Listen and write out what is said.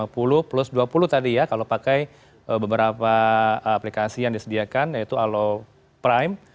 plus dua puluh tadi ya kalau pakai beberapa aplikasi yang disediakan yaitu alo prime